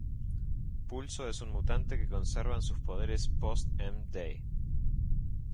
Pulso es un mutante que conservan sus poderes post-M-Day.